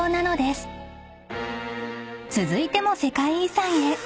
［続いても世界遺産へ］